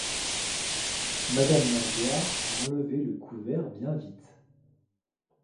Madame Magloire a enlevé le couvert bien vite.